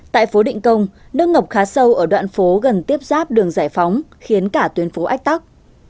tại phố định công nước ngập khá sâu ở đoạn phố gần tiếp giáp đường giải phóng khiến cả tuyến phố ách tắc